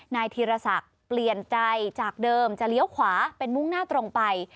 นายธีรศักดิ์เปลี่ยนใจจากเดิมจะเลี้ยวขวาเป็นมุ่งหน้าตรงไป